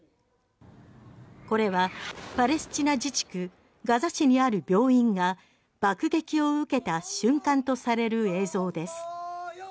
これはパレスチナ自治区ガザにある病院が爆撃を受けた瞬間とされる映像です。